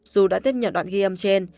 dù đã tiếp nhận đoạn ghi âm trên